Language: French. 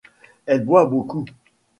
Elle boit beaucoup.